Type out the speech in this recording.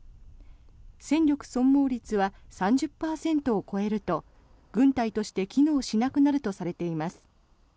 戦力損耗率は３０％を超えると軍隊として機能しなくなるとされています。